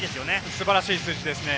素晴らしい数字ですね。